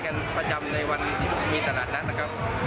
กันประจำในวันที่มีตลาดนัดนะครับ